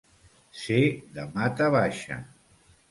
Ser de mata baixa.